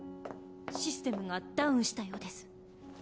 システムがダウンしたようです。